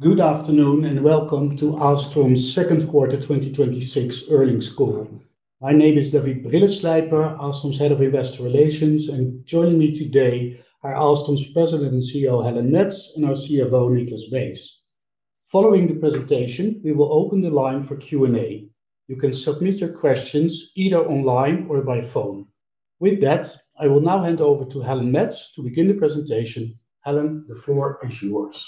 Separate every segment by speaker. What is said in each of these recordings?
Speaker 1: Good afternoon, and welcome to Ahlstrom's Second Quarter 2026 EarningsCall. My name is David Brilleslijper, Ahlstrom's Head of Investor Relations, and joining me today are Ahlstrom's President and CEO, Helen Mets, and our CFO, Niklas Beyes. Following the presentation, we will open the line for Q&A. You can submit your questions either online or by phone. I will now hand over to Helen Mets to begin the presentation. Helen, the floor is yours.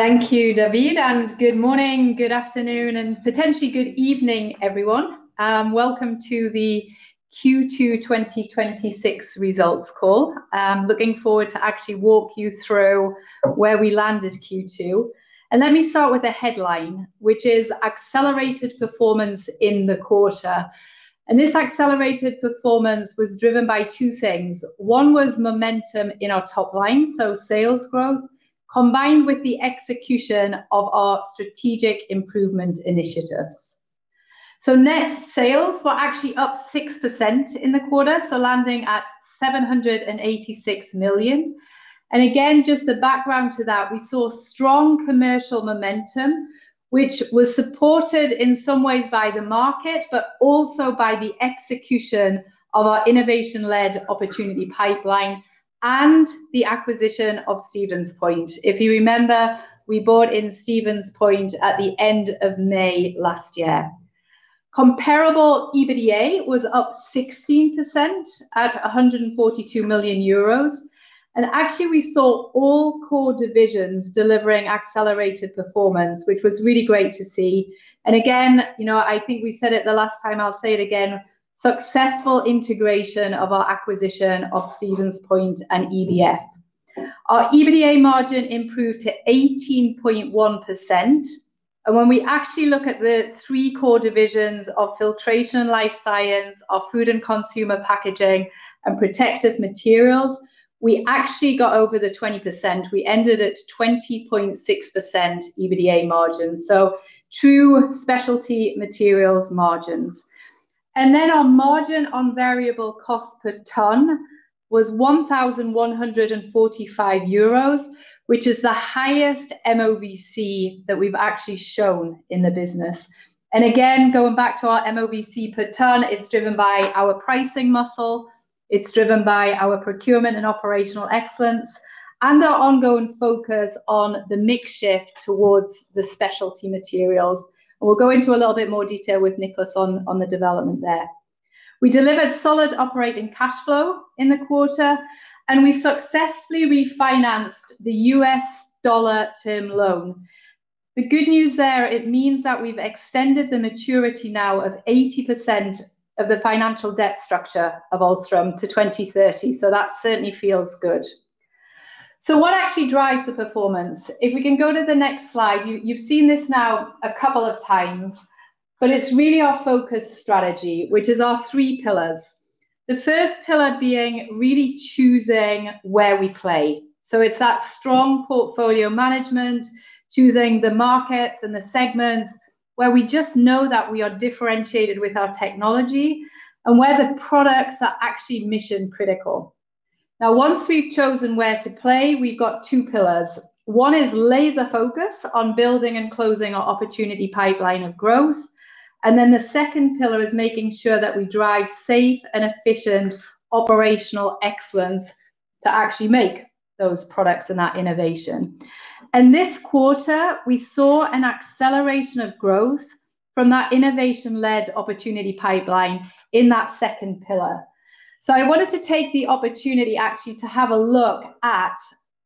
Speaker 2: Thank you, David, good morning, good afternoon, and potentially good evening, everyone. Welcome to the Q2 2026 results call. Looking forward to actually walk you through where we landed Q2. Let me start with a headline, which is accelerated performance in the quarter. This accelerated performance was driven by two things. One was momentum in our top line, so sales growth, combined with the execution of our strategic improvement initiatives. Net sales were actually up 6% in the quarter, landing at 786 million. Again, just the background to that, we saw strong commercial momentum, which was supported in some ways by the market, but also by the execution of our innovation-led opportunity pipeline and the acquisition of Stevens Point. If you remember, we bought in Stevens Point at the end of May last year. Comparable EBITDA was up 16% at 142 million euros. Actually, we saw all core divisions delivering accelerated performance, which was really great to see. Again, I think we said it the last time, I'll say it again, successful integration of our acquisition of Stevens Point and EBF. Our EBITDA margin improved to 18.1%. When we actually look at the three core divisions of Filtration & Life Sciences, our Food & Consumer Packaging, and Protective Materials, we actually got over the 20%. We ended at 20.6% EBITDA margins. True specialty materials margins. Our Margin On Variable Cost per ton was 1,145 euros, which is the highest MOVC that we've actually shown in the business. Again, going back to our MOVC per ton, it's driven by our pricing muscle, it's driven by our procurement and operational excellence, and our ongoing focus on the mix shift towards the specialty materials. We'll go into a little bit more detail with Niklas on the development there. We delivered solid operating cash flow in the quarter, and we successfully refinanced the U.S. dollar term loan. The good news there, it means that we've extended the maturity now of 80% of the financial debt structure of Ahlstrom to 2030. That certainly feels good. What actually drives the performance? If we can go to the next slide. You've seen this now a couple of times, but it's really our focus strategy, which is our three pillars. The first pillar being really choosing where we play. It's that strong portfolio management, choosing the markets and the segments where we just know that we are differentiated with our technology and where the products are actually mission-critical. Once we've chosen where to play, we've got two pillars. One is laser focus on building and closing our opportunity pipeline of growth, the second pillar is making sure that we drive safe and efficient operational excellence to actually make those products and that innovation. This quarter, we saw an acceleration of growth from that innovation-led opportunity pipeline in that second pillar. I wanted to take the opportunity actually to have a look at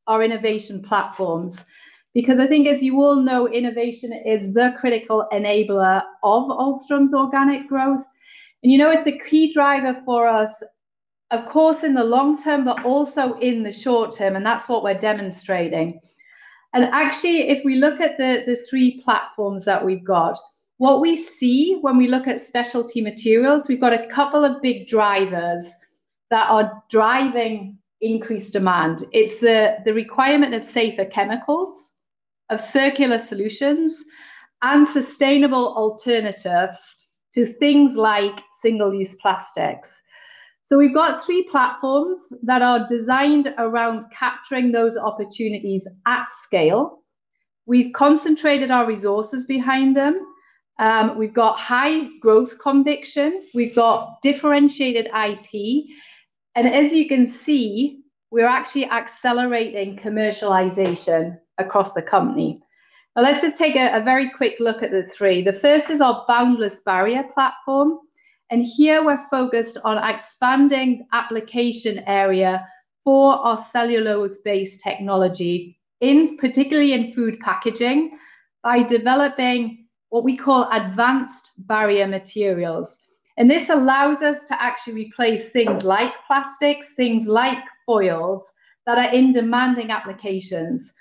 Speaker 2: our innovation platforms, because I think, as you all know, innovation is the critical enabler of Ahlstrom's organic growth. You know it's a key driver for us, of course, in the long term, but also in the short term, and that's what we're demonstrating. Actually, if we look at the three platforms that we've got, what we see when we look at specialty materials, we've got a couple of big drivers that are driving increased demand. It's the requirement of safer chemicals, of circular solutions, and sustainable alternatives to things like single-use plastics. We've got three platforms that are designed around capturing those opportunities at scale. We've concentrated our resources behind them. We've got high growth conviction. We've got differentiated IP. As you can see, we're actually accelerating commercialization across the company. Let's just take a very quick look at the three. The first is our Boundless Barrier platform, here we're focused on expanding application area for our cellulose-based technology, particularly in food packaging, by developing what we call advanced barrier materials. This allows us to actually replace things like plastics, things like foils that are in demanding applications.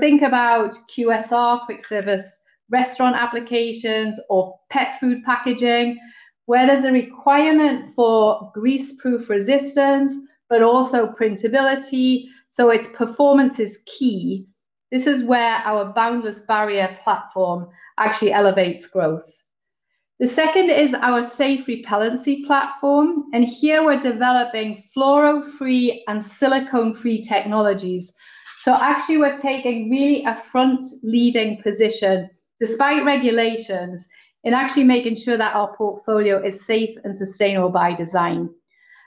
Speaker 2: Think about QSR, quick service restaurant applications or pet food packaging, where there's a requirement for grease-proof resistance, but also printability. Its performance is key. This is where our Boundless Barrier platform actually elevates growth. The second is our Safe Repellency platform, here we're developing fluoro-free and silicone-free technologies. Actually, we're taking really a front-leading position, despite regulations, in actually making sure that our portfolio is Safe and Sustainable by Design.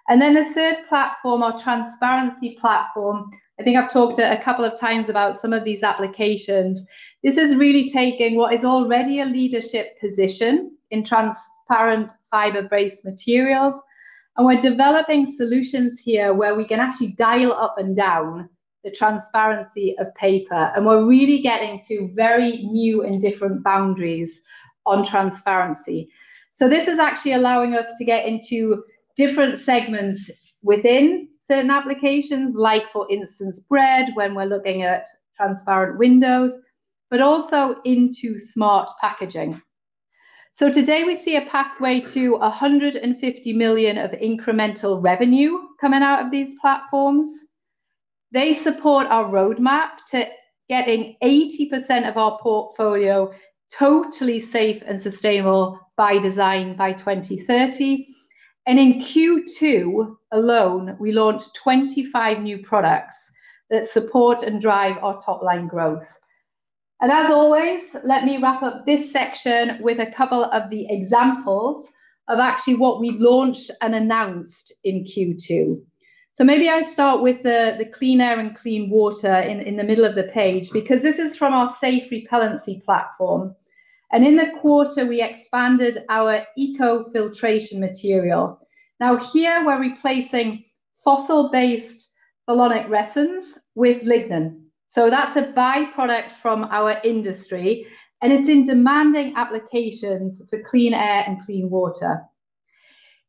Speaker 2: The third platform, our Transparency platform, I think I've talked a couple of times about some of these applications. This is really taking what is already a leadership position in transparent fiber-based materials, and we're developing solutions here where we can actually dial up and down the transparency of paper, and we're really getting to very new and different boundaries on transparency. This is actually allowing us to get into different segments within certain applications, like for instance, bread, when we're looking at transparent windows, but also into smart packaging. Today we see a pathway to 150 million of incremental revenue coming out of these platforms. They support our roadmap to getting 80% of our portfolio totally Safe and Sustainable by Design by 2030. In Q2 alone, we launched 25 new products that support and drive our top-line growth. As always, let me wrap up this section with a couple of the examples of actually what we've launched and announced in Q2. Maybe I'll start with the clean air and clean water in the middle of the page, because this is from our Safe Repellency platform. In the quarter, we expanded our eco-filtration material. Here we're replacing fossil-based phenolic resins with lignin. That's a byproduct from our industry, and it's in demanding applications for clean air and clean water.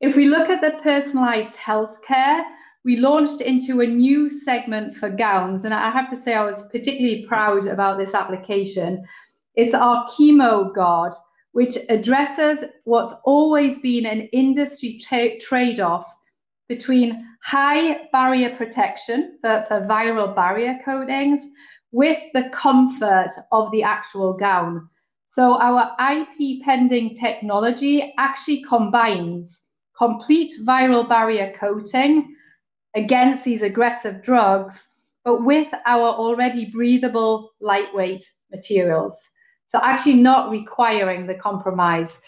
Speaker 2: If we look at the personalized healthcare, we launched into a new segment for gowns, and I have to say I was particularly proud about this application. It's our ChemoGuard, which addresses what's always been an industry trade-off between high barrier protection for viral barrier coatings with the comfort of the actual gown. Our IP pending technology actually combines complete viral barrier coating against these aggressive drugs, but with our already breathable, lightweight materials, so actually not requiring the compromise.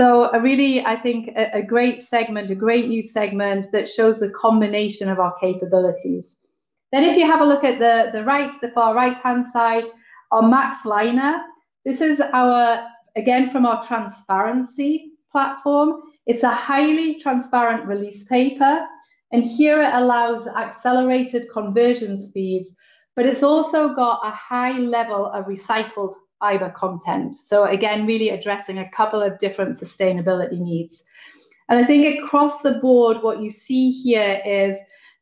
Speaker 2: A really, I think, a great new segment that shows the combination of our capabilities. If you have a look at the far right-hand side, our MaxLiner. This is, again, from our Transparency platform. It's a highly transparent release paper, and here it allows accelerated conversion speeds, but it's also got a high level of recycled fiber content. Again, really addressing a couple of different sustainability needs. And I think across the board, what you see here is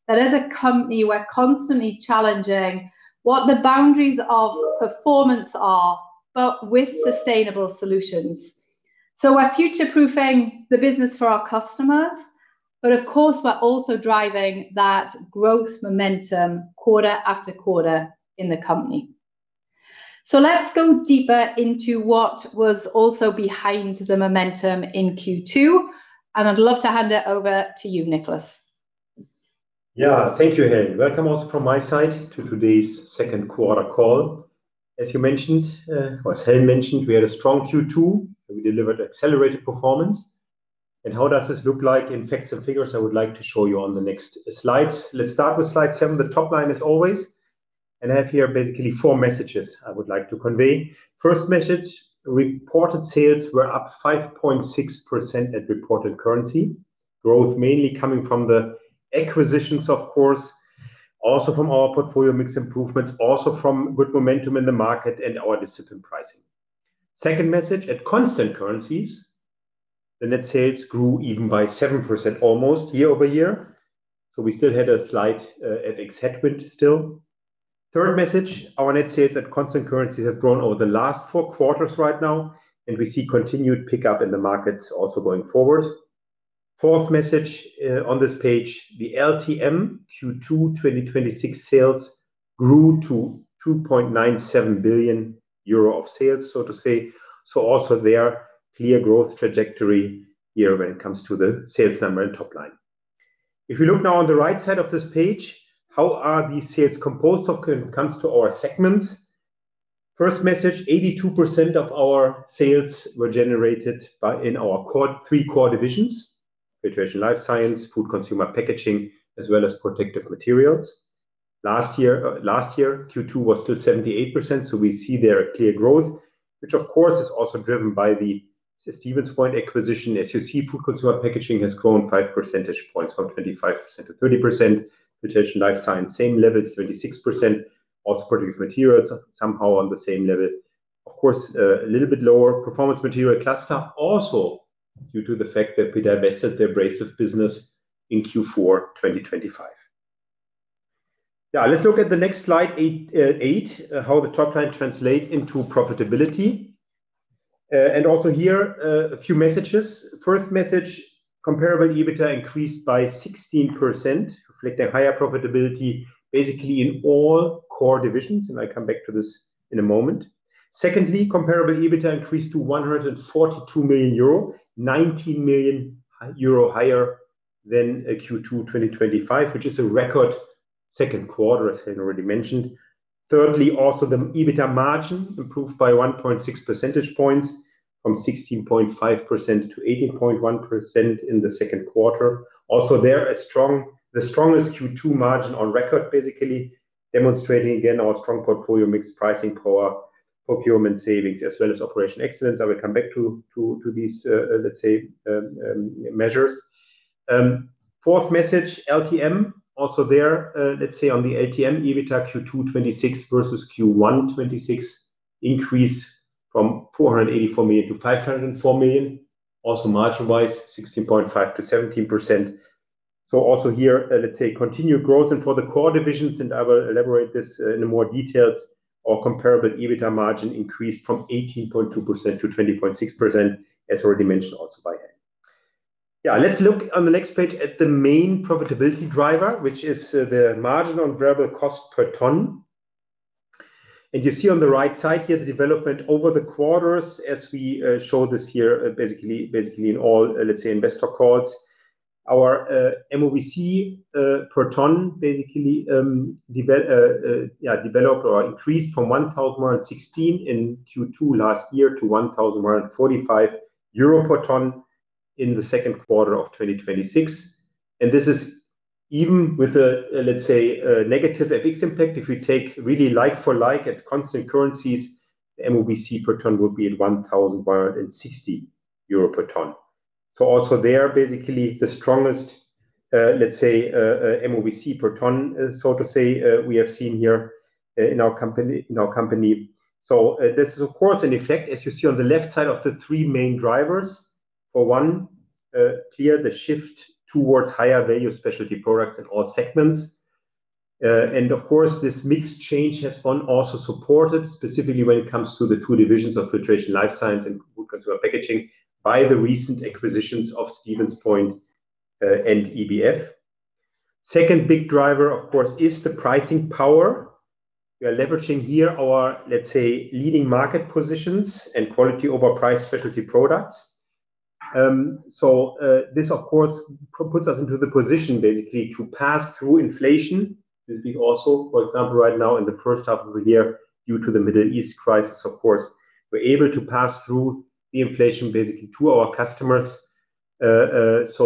Speaker 2: that as a company, we're constantly challenging what the boundaries of performance are, but with sustainable solutions. Of course, we're also driving that growth momentum quarter after quarter in the company. Let's go deeper into what was also behind the momentum in Q2, and I'd love to hand it over to you, Niklas.
Speaker 3: Thank you, Helen. Welcome also from my side to today's second quarter call. Helen mentioned, we had a strong Q2, and we delivered accelerated performance. How does this look like in facts and figures? I would like to show you on the next slides. Let's start with slide seven, the top line as always, and I have here basically four messages I would like to convey. First message, reported sales were up 5.6% at reported currency. Growth mainly coming from the acquisitions, of course, also from our portfolio mix improvements, also from good momentum in the market and our discipline pricing. Second message, at constant currencies, the net sales grew even by 7%, almost year-over-year. We still had a slight FX headwind still. Third message, our net sales at constant currencies have grown over the last four quarters right now, and we see continued pickup in the markets also going forward. Fourth message, on this page, the LTM Q2 2026 sales grew to 2.97 billion euro of sales, so to say. Also there, clear growth trajectory here when it comes to the sales number and top line. If you look now on the right side of this page, how are these sales composed of when it comes to our segments? First message, 82% of our sales were generated in our three core divisions, Filtration & Life Sciences, Food & Consumer Packaging, as well as Protective Materials. Last year, Q2 was still 78%, so we see there a clear growth, which of course is also driven by the Stevens Point acquisition. As you see, Food & Consumer Packaging has grown five percentage points from 25% to 30%. Filtration & Life Sciences, same levels, 36%. Also, Protective Materials are somehow on the same level. Of course, a little bit lower Performance Materials Cluster, also due to the fact that we divested the abrasive business in Q4 2025. Now let's look at the next slide eight, how the top line translate into profitability. Also here, a few messages. First message, comparable EBITDA increased by 16%, reflecting higher profitability basically in all core divisions, and I come back to this in a moment. Secondly, comparable EBITDA increased to 142 million euro, 19 million euro higher than Q2 2025, which is a record second quarter, as I had already mentioned. Thirdly, also the EBITDA margin improved by 1.6 percentage points from 16.5% to 18.1% in the second quarter. Also there, the strongest Q2 margin on record, basically demonstrating again our strong portfolio mix pricing power, procurement savings, as well as operational excellence. I will come back to these measures. Fourth message, LTM, also there, let's say on the LTM EBITDA Q2 2026 versus Q1 2026 increase from 484 million to 504 million. Also margin wise, 16.5%-17%. Also here, let's say continued growth. For the core divisions, and I will elaborate this in more details, our comparable EBITDA margin increased from 18.2%-20.6%, as already mentioned also by him. Let's look on the next page at the main profitability driver, which is the Margin On Variable Cost per ton. You see on the right side here the development over the quarters as we show this here, basically in all investor calls. Our MOVC per ton, basically, developed or increased from 1,116 in Q2 last year to 1,145 euro per ton in the second quarter of 2026. This is even with a negative FX impact. If we take really like for like at constant currencies, the MOVC per ton would be 1,160 euro per ton. Also there, basically the strongest MOVC per ton, so to say, we have seen here in our company. This is, of course, an effect, as you see on the left side, of the three main drivers. For one, clear, the shift towards higher value specialty products in all segments. Of course, this mix change has been also supported specifically when it comes to the two divisions of Filtration & Life Sciences and Food & Consumer Packaging by the recent acquisitions of Stevens Point and EBF. Second big driver, of course, is the pricing power. We are leveraging here our leading market positions and quality over price specialty products. This, of course, puts us into the position, basically, to pass through inflation. This being also, for example, right now in the first half of the year due to the Middle East crisis, of course. We're able to pass through the inflation basically to our customers. As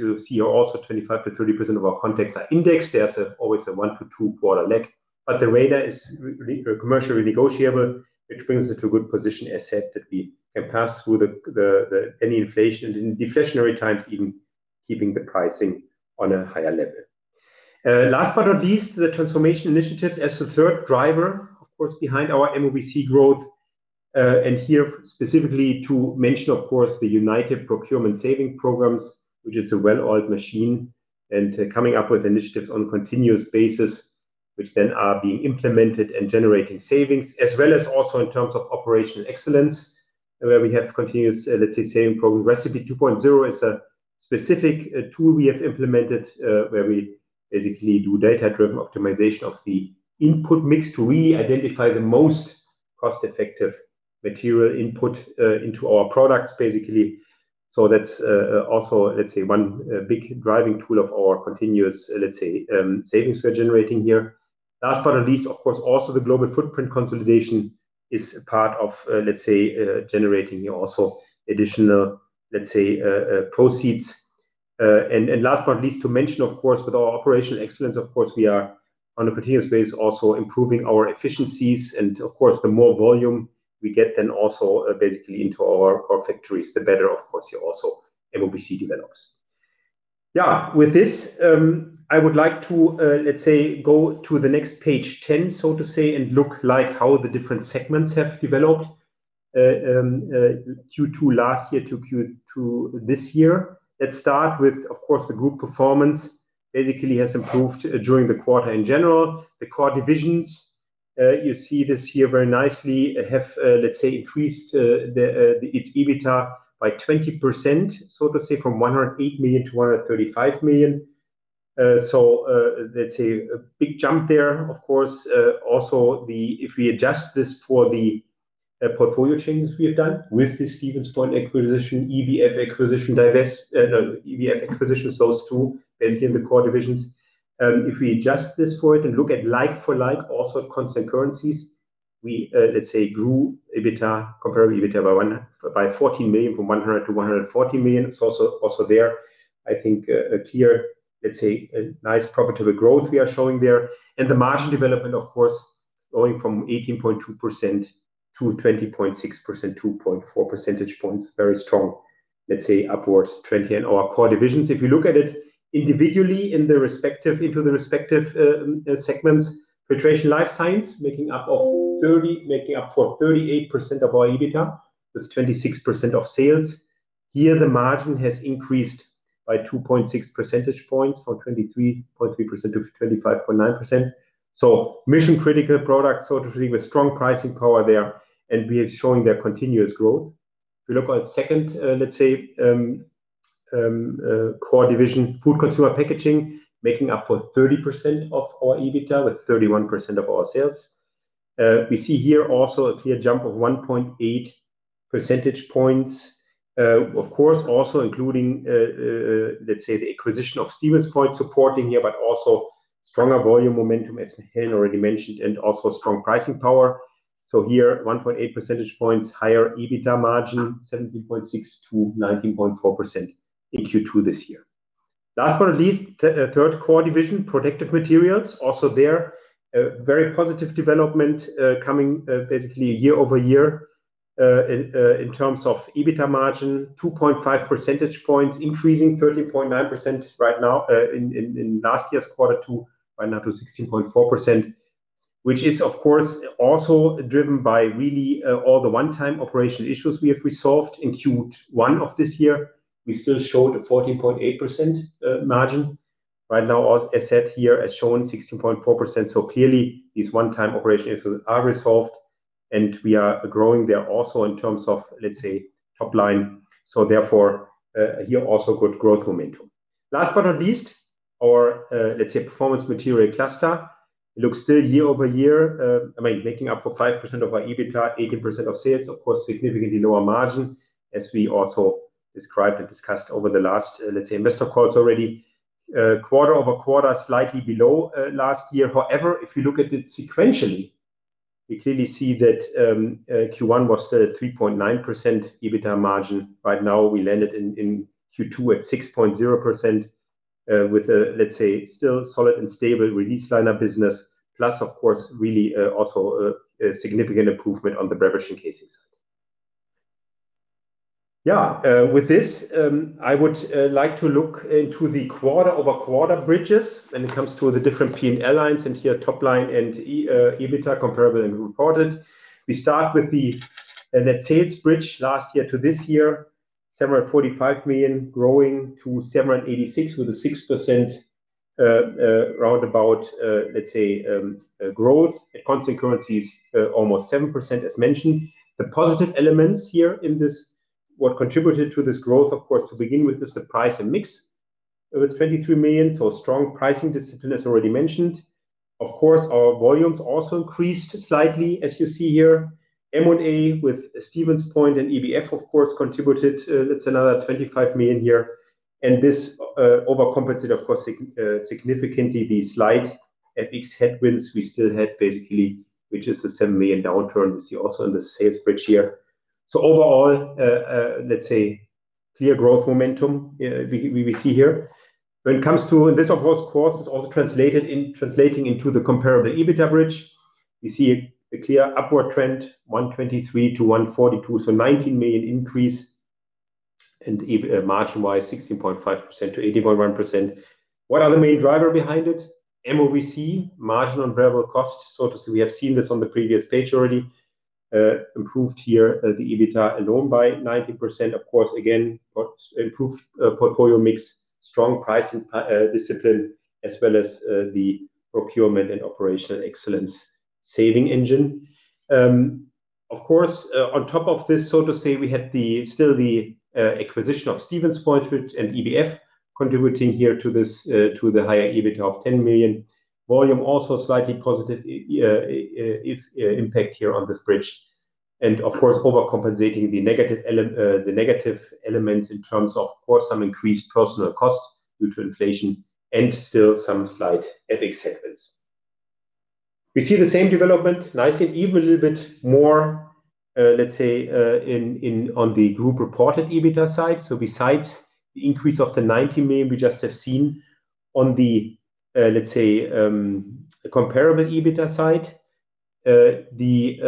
Speaker 3: you see also, 25%-30% of our contracts are indexed. There's always a one to two quarter lag. The remainder is commercially negotiable, which brings it to a good position, as said, that we can pass through any inflation, in deflationary times, even keeping the pricing on a higher level. Last but not least, the transformation initiatives as the third driver, of course, behind our MOVC growth. Here specifically to mention, of course, the United Procurement Saving programs, which is a well-oiled machine, coming up with initiatives on continuous basis, which then are being implemented and generating savings. As well as also in terms of operational excellence, where we have continuous saving program. Recipe 2.0 is a specific tool we have implemented where we basically do data-driven optimization of the input mix to really identify the most cost-effective material input into our products, basically. That's also one big driving tool of our continuous savings we're generating here. Last but not least, of course, also the global footprint consolidation is part of generating here also additional proceeds. Last but not least, to mention, of course, with our operational excellence, of course, we are on a continuous basis also improving our efficiencies. Of course, the more volume we get then also basically into our factories, the better, of course, here also MOVC develops. Yeah, with this, I would like to go to the next page 10, so to say, and look like how the different segments have developed Q2 last year to Q2 this year. Let's start with, of course, the group performance basically has improved during the quarter in general. The core divisions, you see this here very nicely, have increased its EBITDA by 20%, so to say, from 108 million to 135 million. That's a big jump there. Of course, also if we adjust this for the portfolio changes we have done with the Stevens Point acquisition, EBF acquisitions, those two basically in the core divisions. If we adjust this for it and look at like-for-like also constant currencies, we grew comparable EBITDA by 14 million from 100 million to 114 million. It's also there, I think a clear nice profitable growth we are showing there. The margin development, of course, going from 18.2% to 20.6%, 2.4 percentage points, very strong upward trend in our core divisions. If you look at it individually into the respective segments, Filtration & Life Sciences, making up for 38% of our EBITDA with 26% of sales. Here, the margin has increased by 2.6 percentage points, from 23.3% to 25.9%. Mission-critical products, sort of thing, with strong pricing power there, and we are showing their continuous growth. If we look at second, let's say, core division, Food & Consumer Packaging, making up for 30% of our EBITDA, with 31% of our sales. We see here also a clear jump of 1.8 percentage points. Of course, also including, let's say, the acquisition of Stevens Point supporting here, but also stronger volume momentum, as Helen already mentioned, and also strong pricing power. Here, 1.8 percentage points higher EBITDA margin, 17.6%-19.4% in Q2 this year. Last but not least, third core division, Protective Materials. There, very positive development coming basically year-over-year in terms of EBITDA margin. 2.5 percentage points increasing 13.9% right now in last year's quarter two, right now to 16.4%, which is, of course, also driven by really all the one-time operational issues we have resolved in Q1 of this year. We still show the 14.8% margin. Right now, as said here, as shown, 16.4%. Clearly, these one-time operational issues are resolved, and we are growing there also in terms of, let's say, top line. Therefore, here also good growth momentum. Last but not least, our, let's say, Performance Materials Cluster. It looks still year-over-year, making up for 5% of our EBITDA, 18% of sales, of course, significantly lower margin, as we also described and discussed over the last investor calls already. Quarter-over-quarter, slightly below last year. However, if you look at it sequentially, we clearly see that Q1 was still at 3.9% EBITDA margin. Right now, we landed in Q2 at 6.0% with a still solid and stable release liner business. Plus, of course, really also a significant improvement on the beverage and casing side. With this, I would like to look into the quarter-over-quarter bridges when it comes to the different P&L lines, and here top line and EBITDA comparable and reported. We start with the net sales bridge last year to this year, 745 million growing to 786 million with a 6% roundabout growth. At constant currencies almost 7%, as mentioned. The positive elements here in this, what contributed to this growth, of course, to begin with, is the price and mix with 23 million, so strong pricing discipline, as already mentioned. Of course, our volumes also increased slightly, as you see here. M&A with Stevens Point and EBF, of course, contributed. That's another 25 million here. This overcompensated, of course, significantly the slight FX headwinds we still had, which is the 7 million downturn we see also in the sales bridge here. Overall, clear growth momentum we see here. This, of course, is also translating into the comparable EBITDA bridge. We see a clear upward trend, 123 million to 142 million, so 19 million increase and margin-wise, 16.5%-18.1%. What are the main driver behind it? MOVC, marginal variable cost. So to say, we have seen this on the previous page already. Improved here the EBITDA alone by 19%. Of course, again, improved portfolio mix, strong pricing discipline, as well as the procurement and operational excellence saving engine. Of course, on top of this, so to say, we had still the acquisition of Stevens Point and EBF contributing here to the higher EBITDA of 10 million. Volume also slightly positive impact here on this bridge. Of course, overcompensating the negative elements in terms of course, some increased personal costs due to inflation and still some slight FX headwinds. We see the same development, nice and even a little bit more on the group reported EBITDA side. Besides the increase of the 90 million we just have seen on the comparable EBITDA side, on the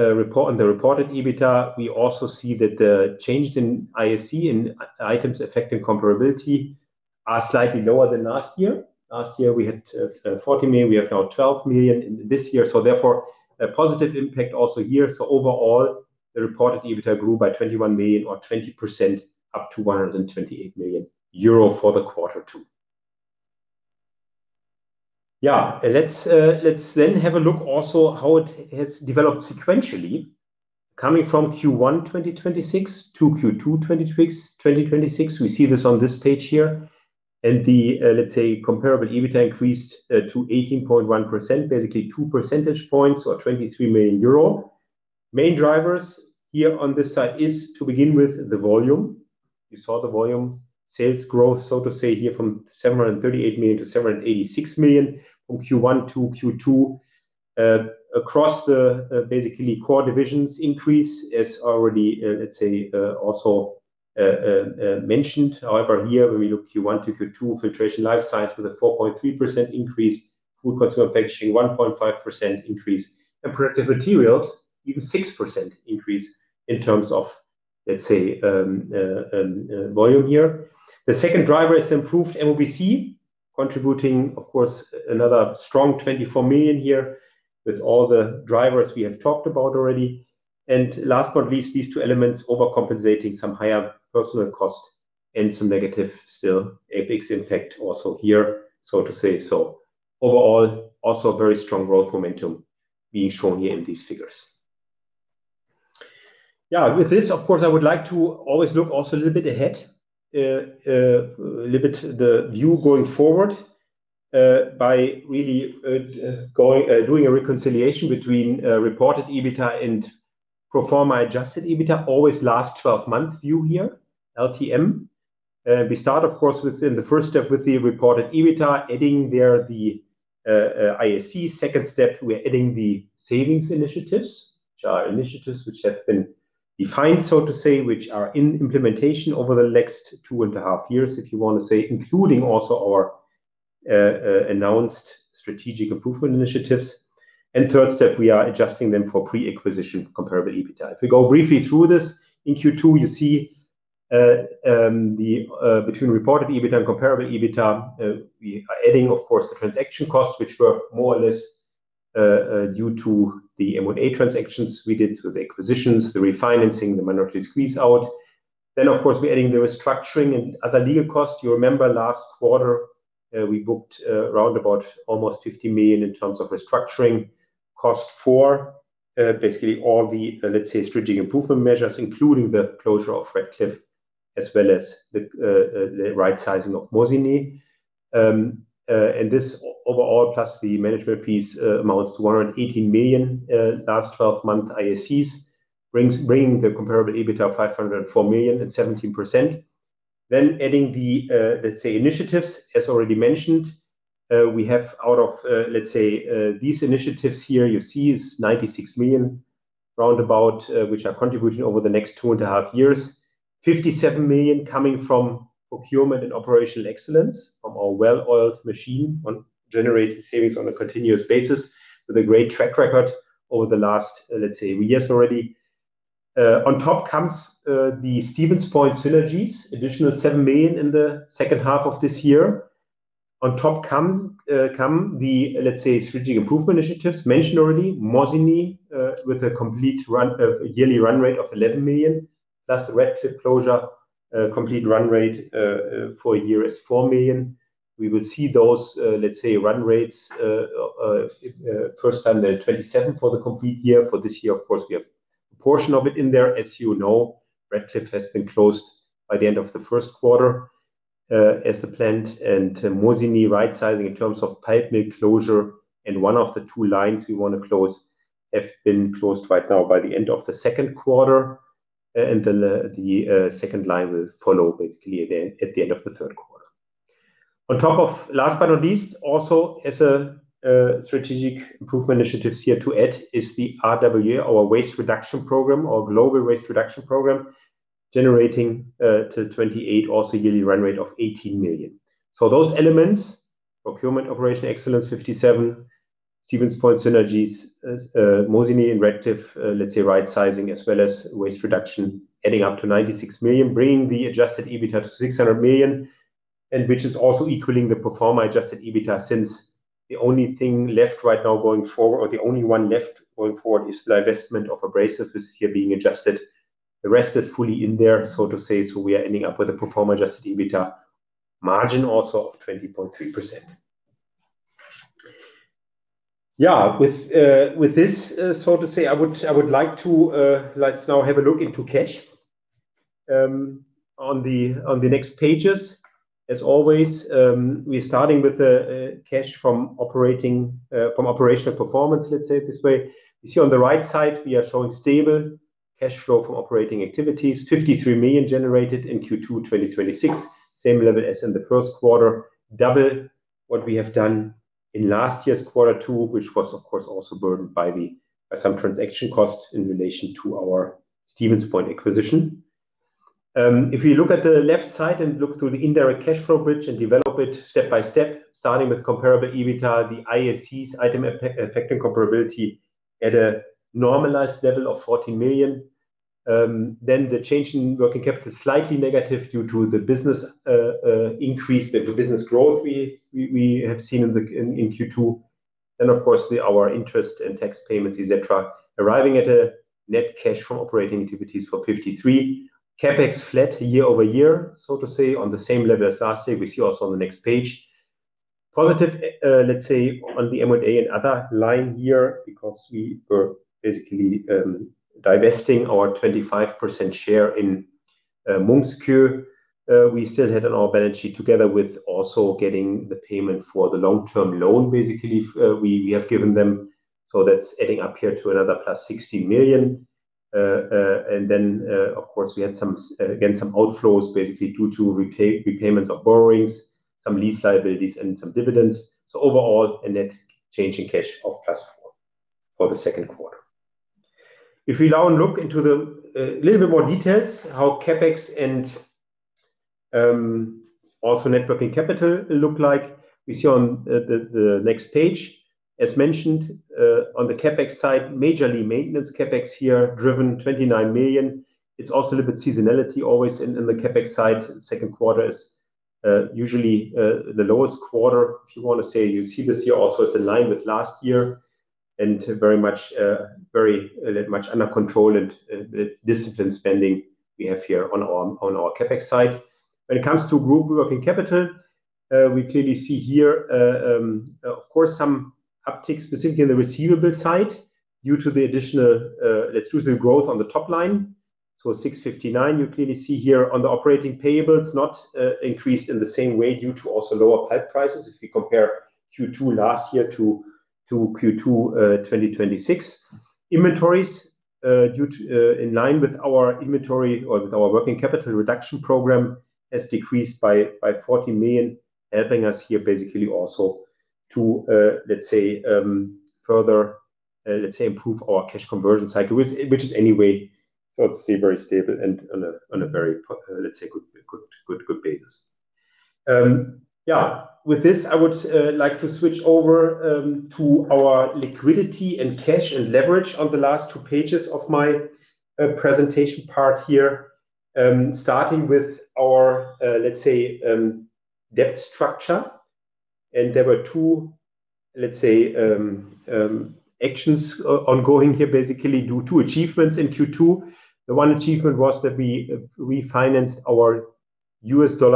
Speaker 3: reported EBITDA, we also see that the change in IAC, in Items Affecting Comparability, are slightly lower than last year. Last year we had 14 million. We have now 12 million in this year. Therefore, a positive impact also here. Overall, the reported EBITDA grew by 21 million or 20%, up to 128 million euro for the quarter two. Let's have a look also how it has developed sequentially coming from Q1 2026 to Q2 2026. We see this on this page here. The comparable EBITDA increased to 18.1%, basically two percentage points or 23 million euro. Main drivers here on this side is, to begin with, the volume. You saw the volume sales growth, so to say, here from 738 million to 786 million from Q1 to Q2. Across the core divisions increase, as already also mentioned. However, here when we look Q1 to Q2, Filtration & Life Sciences with a 4.3% increase, Food & Consumer Packaging, 1.5% increase, and Protective Materials, even 6% increase in terms of volume here. The second driver is improved MOVC contributing, of course, another strong 24 million here with all the drivers we have talked about already. Last but not least, these two elements overcompensating some higher personal cost and some negative still, IAC impact also here, so to say. Overall, also very strong growth momentum being shown here in these figures. With this, of course, I would like to always look also a little bit ahead, a little bit the view going forward, by really doing a reconciliation between reported EBITDA and pro forma adjusted EBITDA, always last 12-month view here, LTM. We start, of course, within the first step with the reported EBITDA, adding there the IAC. Second step, we're adding the savings initiatives, which are initiatives which have been defined, so to say, which are in implementation over the next two and a half years, if you want to say, including also our announced strategic improvement initiatives. Third step, we are adjusting them for pre-acquisition comparable EBITDA. If we go briefly through this, in Q2 you see between reported EBITDA and comparable EBITDA, we are adding, of course, the transaction costs, which were more or less due to the M&A transactions we did with the acquisitions, the refinancing, the minority squeeze out. Of course, we're adding the restructuring and other legal costs. You remember last quarter, we booked around about almost 50 million in terms of restructuring cost for basically all the, let's say, strategic improvement measures, including the closure of Radcliffe as well as the right sizing of Mosinee. This overall, plus the management fees, amounts to 118 million last 12-month IACs, bringing the comparable EBITDA of 504 million at 17%. Adding the, let's say, initiatives, as already mentioned, we have out of let's say these initiatives here you see is 96 million roundabout, which are contributing over the next two and a half years. 57 million coming from procurement and operational excellence from our well-oiled machine on generating savings on a continuous basis with a great track record over the last, let's say, years already. On top comes the Stevens Point synergies, additional 7 million in the second half of this year. On top come the, let's say, strategic improvement initiatives mentioned already, Mosinee, with a complete yearly run rate of 11 million, plus the Radcliffe closure complete run rate for a year is 4 million. We will see those, let's say, run rates first time there, 27 million for the complete year. For this year, of course, we have a portion of it in there. As you know, Rectiv has been closed by the end of the first quarter, as a plant and Mosinee rightsizing in terms of paper mill closure and one of the two lines we want to close have been closed right now by the end of the second quarter. The second line will follow basically at the end of the third quarter. On top of last but not least, also as a strategic improvement initiatives here to add is the RWA, our waste reduction program, our global waste reduction program, generating to 2028 also yearly run rate of 18 million. Those elements, procurement operation excellence 57 million, Stevens Point synergies, Mosinee and Rectiv, let's say, rightsizing as well as waste reduction adding up to 96 million, bringing the adjusted EBITDA to 600 million. Which is also equaling the pro forma adjusted EBITDA since the only thing left right now going forward or the only one left going forward is the divestment of abrasives is here being adjusted. The rest is fully in there, so to say. We are ending up with a pro forma adjusted EBITDA margin also of 20.3%. With this, so to say, I would like to, let's now have a look into cash on the next pages. As always, we're starting with the cash from operational performance, let's say it this way. You see on the right side, we are showing stable cash flow from operating activities, 53 million generated in Q2 2026, same level as in the first quarter, double what we have done in last year's quarter two, which was of course also burdened by some transaction costs in relation to our Stevens Point acquisition. If you look at the left side and look through the indirect cash flow bridge and develop it step by step, starting with comparable EBITDA, the IACs Items Affecting Comparability at a normalized level of 14 million. The change in working capital is slightly negative due to the business increase, the business growth we have seen in Q2. Of course our interest and tax payments, et cetera, arriving at a net cash from operating activities for 53 million. CapEx flat year-over-year, so to say, on the same level as last year. We see also on the next page. Positive, let's say, on the M&A and other line here because we were basically divesting our 25% share in. We still had it on our balance sheet together with also getting the payment for the long-term loan basically, we have given them. That's adding up here to another +60 million. Of course we had some, again, some outflows basically due to repayments of borrowings, some lease liabilities and some dividends. Overall, a net change in cash of +4 million for the second quarter. If we now look into the little bit more details how CapEx and also net working capital look like, we see on the next page. As mentioned, on the CapEx side, majorly maintenance CapEx here driven 29 million. It's also a little bit seasonality always in the CapEx side. Second quarter is usually the lowest quarter, if you want to say. You see this year also it's in line with last year, very much under control and disciplined spending we have here on our CapEx side. When it comes to group working capital, we clearly see here, of course, some uptick specifically in the receivable side due to the additional growth on the top line. 659, you clearly see here on the operating payables, not increased in the same way due to also lower pulp prices if you compare Q2 last year to Q2 2026. Inventories, in line with our inventory or with our working capital reduction program, has decreased by 40 million, helping us here basically also to further improve our cash conversion cycle, which is anyway, so to say, very stable and on a very, let's say, good basis. With this, I would like to switch over to our liquidity and cash and leverage on the last two pages of my presentation part here, starting with our debt structure. There were two actions ongoing here, basically two achievements in Q2. The one achievement was that we financed our still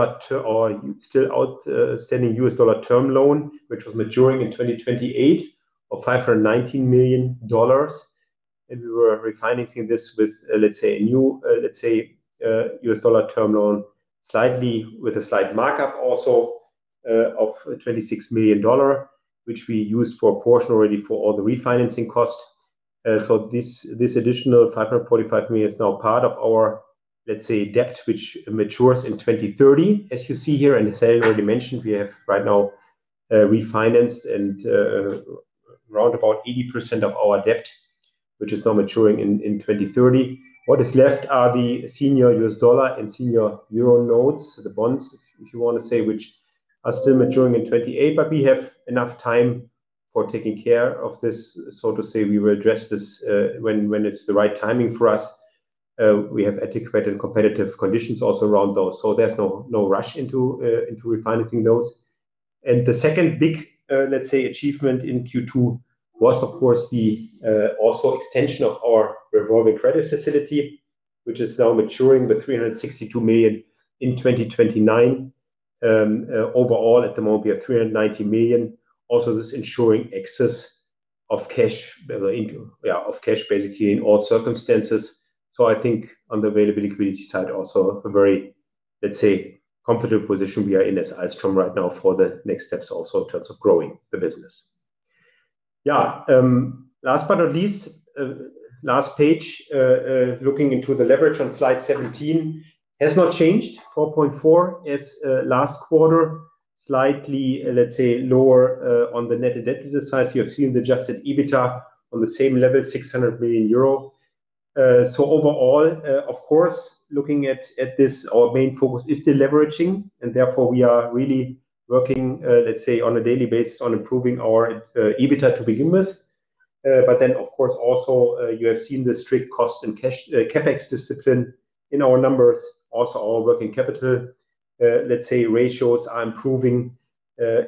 Speaker 3: outstanding US dollar term loan, which was maturing in 2028, of $519 million. We were refinancing this with a new US dollar term loan with a slight markup also of $26 million, which we used for a portion already for all the refinancing costs. This additional $545 million is now part of our debt, which matures in 2030. As you see here, as I already mentioned, we have right now refinanced roundabout 80% of our debt, which is now maturing in 2030. What is left are the senior U.S. dollar and senior euro notes, the bonds, if you want to say, which are still maturing in 2028, we have enough time for taking care of this. So to say, we will address this when it's the right timing for us. We have adequate and competitive conditions also around those, there's no rush into refinancing those. The second big achievement in Q2 was, of course, the extension of our revolving credit facility, which is now maturing with 362 million in 2029. Overall, at the moment, we have 390 million. Also, this ensuring excess of cash basically in all circumstances. I think on the availability community side also, a very comfortable position we are in as Ahlstrom right now for the next steps also in terms of growing the business. Last but not least, last page, looking into the leverage on Slide 17, has not changed, 4.4 as last quarter, slightly lower on the net debt size. You have seen the adjusted EBITDA on the same level, 600 million euro. Overall, of course, looking at this, our main focus is deleveraging, therefore we are really working on a daily basis on improving our EBITDA to begin with. Of course, also, you have seen the strict cost and CapEx discipline in our numbers. Also, our working capital ratios are improving,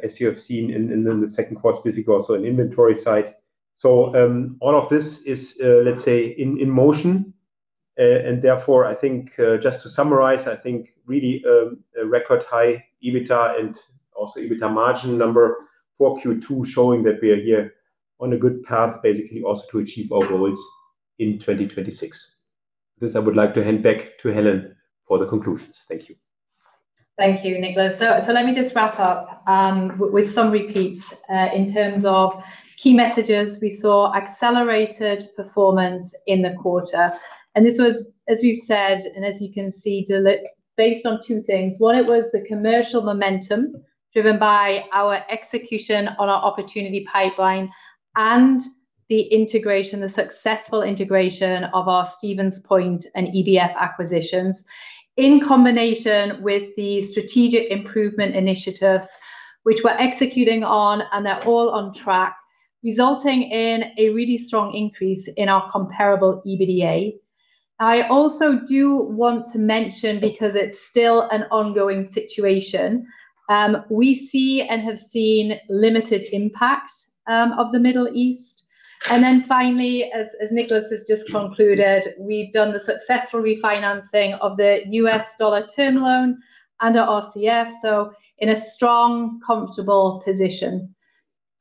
Speaker 3: as you have seen in the second quarter, specifically also on inventory side. All of this is in motion. Therefore, I think just to summarize, really a record high EBITDA and also EBITDA margin number for Q2, showing that we are here on a good path, basically also to achieve our goals in 2026. With this, I would like to hand back to Helen for the conclusions. Thank you.
Speaker 2: Thank you, Niklas. Let me just wrap up with some repeats. In terms of key messages, we saw accelerated performance in the quarter. This was, as we've said, and as you can see, based on two things. One, it was the commercial momentum driven by our execution on our opportunity pipeline and the successful integration of our Stevens Point and EBF acquisitions, in combination with the strategic improvement initiatives which we're executing on, and they're all on track, resulting in a really strong increase in our comparable EBITDA. I also do want to mention, because it's still an ongoing situation, we see and have seen limited impact of the Middle East. Then finally, as Niklas has just concluded, we've done the successful refinancing of the U.S. dollar term loan and our RCF, so in a strong, comfortable position.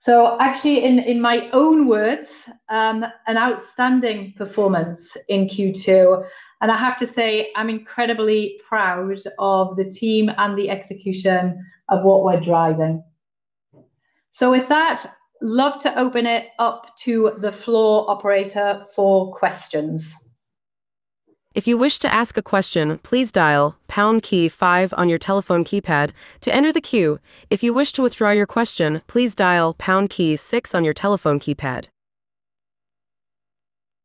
Speaker 2: Actually, in my own words, an outstanding performance in Q2. I have to say, I'm incredibly proud of the team and the execution of what we're driving. With that, love to open it up to the floor operator for questions.
Speaker 4: If you wish to ask a question, please dial pound key five on your telephone keypad to enter the queue. If you wish to withdraw your question, please dial pound key six on your telephone keypad.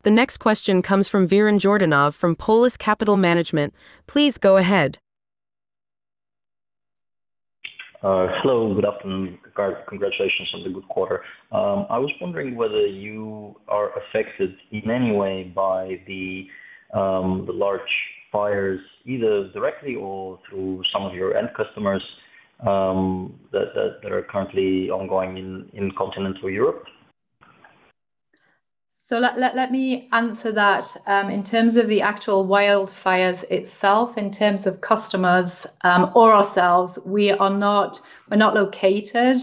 Speaker 4: The next question comes from Vihren Jordanov from Polus Capital Management. Please go ahead.
Speaker 5: Hello. Good afternoon. Congratulations on the good quarter. I was wondering whether you are affected in any way by the large fires, either directly or through some of your end customers, that are currently ongoing in continental Europe.
Speaker 2: Let me answer that. In terms of the actual wildfires itself, in terms of customers or ourselves, we are not located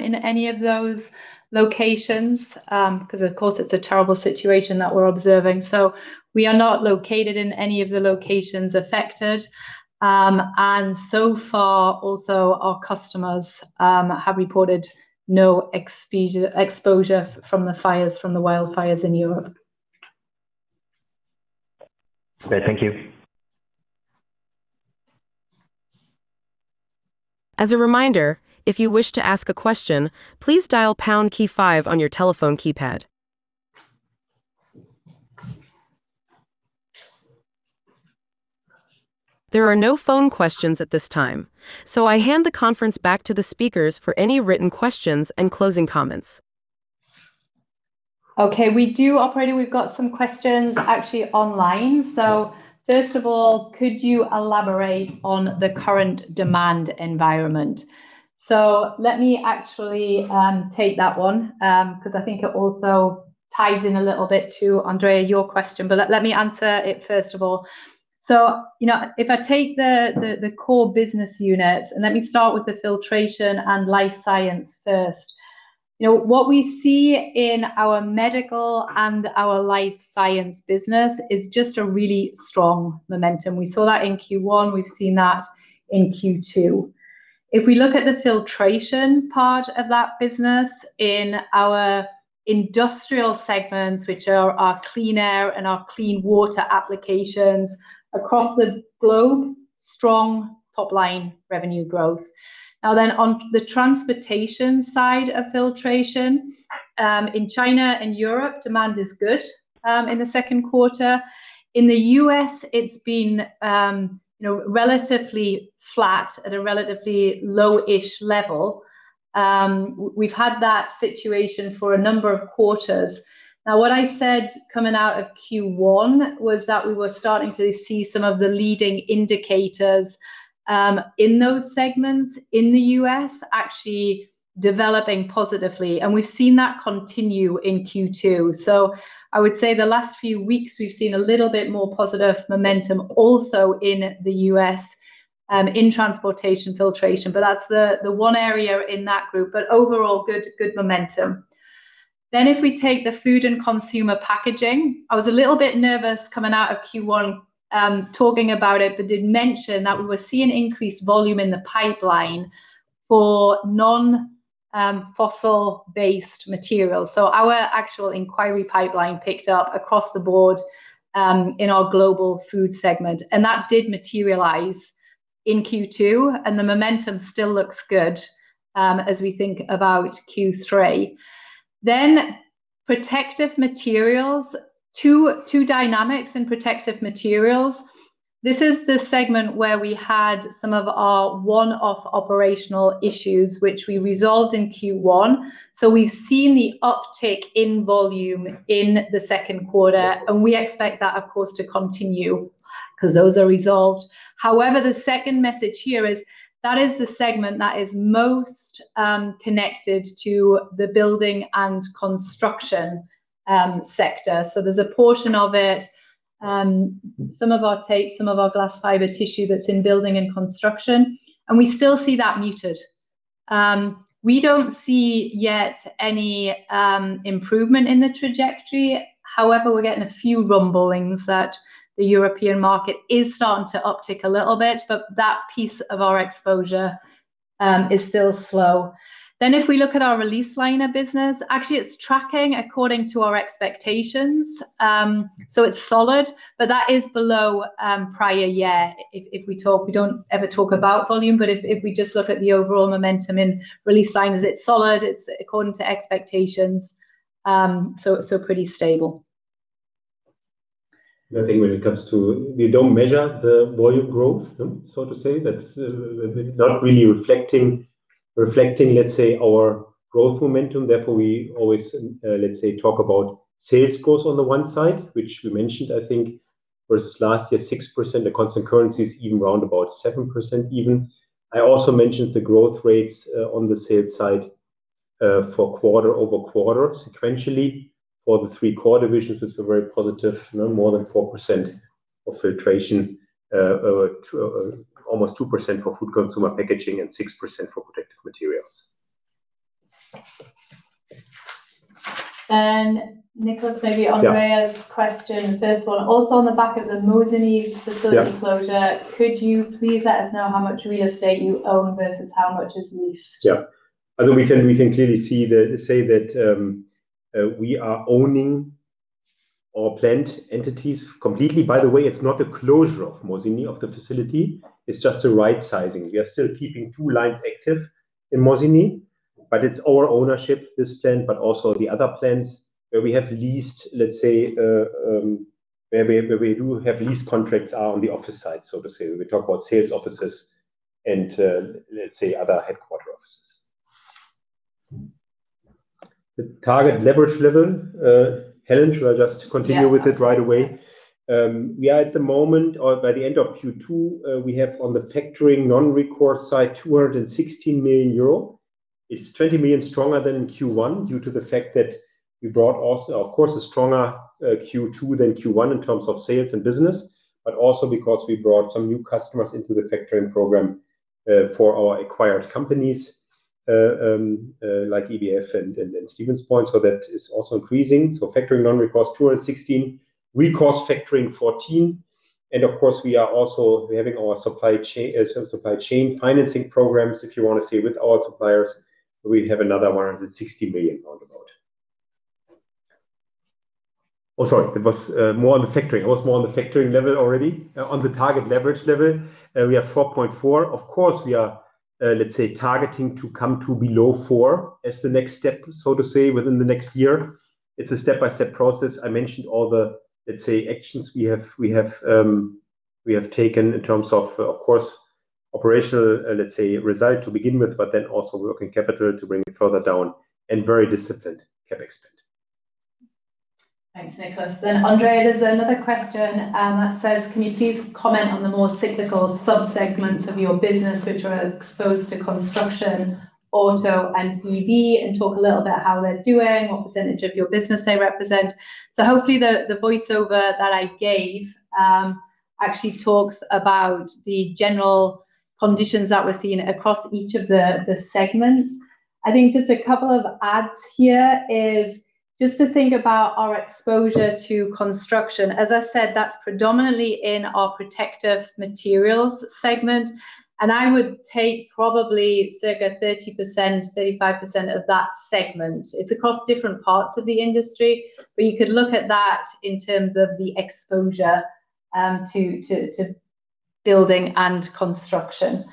Speaker 2: in any of those locations because, of course, it's a terrible situation that we're observing. We are not located in any of the locations affected. So far, also, our customers have reported no exposure from the wildfires in Europe.
Speaker 5: Okay. Thank you.
Speaker 4: As a reminder, if you wish to ask a question, please dial pound key five on your telephone keypad. There are no phone questions at this time. I hand the conference back to the speakers for any written questions and closing comments.
Speaker 2: Okay. Operator, we've got some questions actually online. First of all, could you elaborate on the current demand environment? Let me actually take that one, because I think it also ties in a little bit to, Andrea, your question. Let me answer it first of all. If I take the core business units, and let me start with the Filtration & Life Sciences first. What we see in our medical and our life science business is just a really strong momentum. We saw that in Q1, we've seen that in Q2. If we look at the filtration part of that business in our industrial segments, which are our clean air and our clean water applications across the globe, strong top-line revenue growth. On the transportation side of filtration, in China and Europe, demand is good in the second quarter. In the U.S., it's been relatively flat at a relatively low-ish level. We've had that situation for a number of quarters. What I said coming out of Q1 was that we were starting to see some of the leading indicators in those segments in the U.S. actually developing positively, and we've seen that continue in Q2. I would say the last few weeks we've seen a little bit more positive momentum also in the U.S. in transportation filtration. That's the one area in that group. Overall, good momentum. If we take the Food & Consumer Packaging, I was a little bit nervous coming out of Q1 talking about it, but did mention that we were seeing increased volume in the pipeline for non-fossil based materials. Our actual inquiry pipeline picked up across the board in our global food segment, and that did materialize in Q2, and the momentum still looks good as we think about Q3. Protective Materials. Two dynamics in Protective Materials. This is the segment where we had some of our one-off operational issues, which we resolved in Q1. We've seen the uptick in volume in the second quarter, and we expect that, of course, to continue because those are resolved. However, the second message here is that is the segment that is most connected to the building and construction sector. There's a portion of it, some of our tape, some of our glass fiber tissue that's in building and construction, and we still see that muted. We don't see yet any improvement in the trajectory. However, we're getting a few rumblings that the European market is starting to uptick a little bit, but that piece of our exposure is still slow. If we look at our release liner business, actually it's tracking according to our expectations. It's solid, but that is below prior year if we talk. We don't ever talk about volume, but if we just look at the overall momentum in release liners, it's solid, it's according to expectations. Pretty stable.
Speaker 3: I think when it comes to, we don't measure the volume growth, so to say. That's not really reflecting, let's say, our growth momentum. We always, let's say, talk about sales growth on the one side, which we mentioned, I think versus last year, 6% of constant currencies, even roundabout 7% even. I also mentioned the growth rates on the sales side for quarter-over-quarter sequentially for the three core divisions, which were very positive. More than 4% of Filtration, almost 2% for Food & Consumer Packaging, and 6% for Protective Materials.
Speaker 2: Niklas, maybe Andrea's question, the first one. Also on the back of the Mosinee facility closure, could you please let us know how much real estate you own versus how much is leased?
Speaker 3: Yeah. We can clearly say that we are owning our plant entities completely. By the way, it's not a closure of Mosinee, of the facility, it's just a rightsizing. We are still keeping two lines active in Mosinee. It's our ownership, this plant, but also the other plants where we do have lease contracts are on the office side, so to say. We talk about sales offices and, let's say, other headquarter offices. The target leverage level. Helen, should I just continue with it right away?
Speaker 2: Yeah. Of course. Yeah.
Speaker 3: At the moment or by the end of Q2, we have on the factoring non-recourse side, 216 million euro. It's 20 million stronger than in Q1 due to the fact that we brought also, of course, a stronger Q2 than Q1 in terms of sales and business, but also because we brought some new customers into the factoring program for our acquired companies, like EBF and Stevens Point. That is also increasing. Factoring non-recourse 216, recourse factoring 14. Of course, we are also having our supply chain financing programs, if you want to say, with our suppliers, we have another 160 million round about. Oh, sorry. I was more on the factoring level already. On the target leverage level, we have 4.4. Of course, we are, let's say, targeting to come to below four as the next step, so to say, within the next year. It's a step-by-step process. I mentioned all the actions we have taken in terms of course, operational result to begin with, but then also working capital to bring it further down and very disciplined CapEx spend.
Speaker 2: Thanks, Niklas. Andrea, there's another question that says, "Can you please comment on the more cyclical sub-segments of your business which are exposed to construction, auto and EV, and talk a little about how they're doing, what percentage of your business they represent?" Hopefully the voiceover that I gave actually talks about the general conditions that we're seeing across each of the segments. I think just a couple of adds here is just to think about our exposure to construction. As I said, that's predominantly in our Protective Materials segment, and I would take probably circa 30%-35% of that segment. It's across different parts of the industry, but you could look at that in terms of the exposure to building and construction.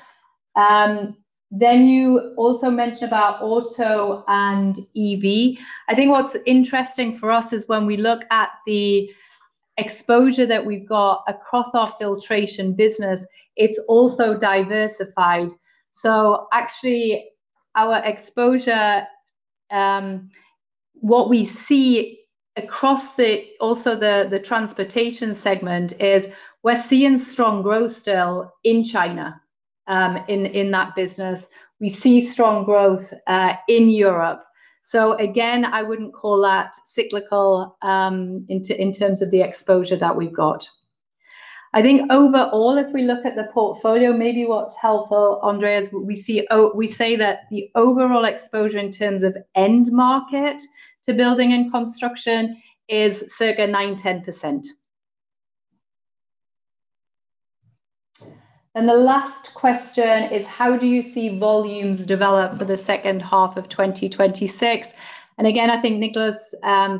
Speaker 2: You also mention about auto and EV. Actually, our exposure, what we see across also the transportation segment is we're seeing strong growth still in China in that business. We see strong growth, in Europe. Again, I wouldn't call that cyclical in terms of the exposure that we've got. I think overall, if we look at the portfolio, maybe what's helpful, Andrea, is we say that the overall exposure in terms of end market to building and construction is circa 9%-10%. The last question is, "How do you see volumes develop for the second half of 2026?" Again, I think Niklas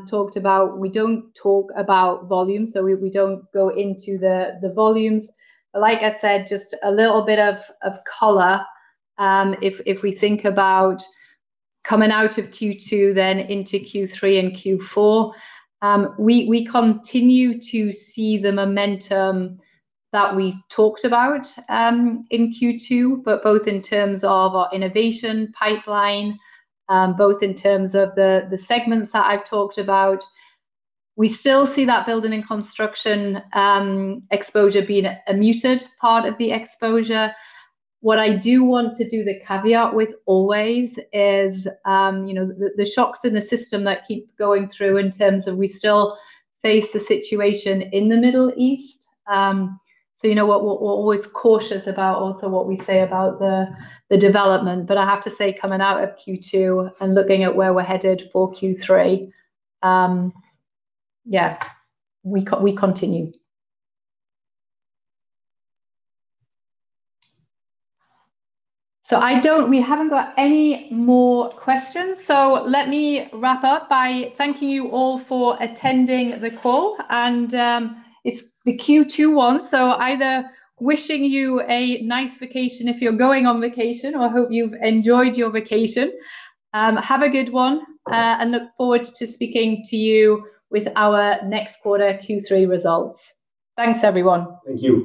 Speaker 2: talked about we don't talk about volume, we don't go into the volumes. But like I said, just a little bit of color. If we think about coming out of Q2 into Q3 and Q4, we continue to see the momentum that we talked about in Q2, both in terms of our innovation pipeline, both in terms of the segments that I've talked about. We still see that building and construction exposure being a muted part of the exposure. What I do want to do the caveat with always is the shocks in the system that keep going through in terms of we still face the situation in the Middle East. You know what, we're always cautious about also what we say about the development. I have to say, coming out of Q2 and looking at where we're headed for Q3, we continue. We haven't got any more questions, let me wrap up by thanking you all for attending the call. It's the Q2 one, either wishing you a nice vacation if you're going on vacation or hope you've enjoyed your vacation. Have a good one, look forward to speaking to you with our next quarter Q3 results. Thanks, everyone.
Speaker 3: Thank you